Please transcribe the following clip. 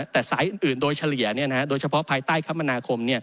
แต่สายอื่นโดยเฉลี่ยโดยเฉพาะภายใต้คมนาคม